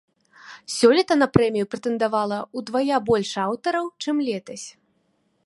Сёлета на прэмію прэтэндавала ўдвая больш аўтараў, чым летась.